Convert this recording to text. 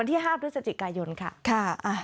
ที่๕พฤศจิกายนค่ะ